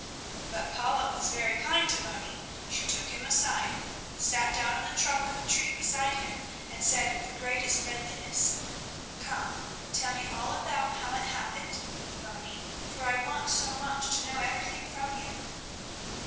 But Paula was very kind to Moni. She took him aside, sat down on the trunk of a tree, beside him, and said with the greatest friendliness: "Come, tell me all about how it happened, Moni, for I want so much to know everything from you."